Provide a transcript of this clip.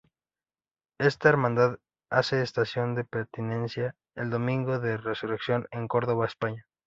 Esta hermandad hace estación de Penitencia el Domingo de Resurrección en Córdoba, España.